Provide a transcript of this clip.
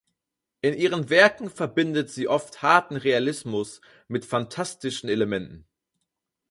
In ihren Werken verbindet sie oft harten Realismus mit fantastischen Elementen.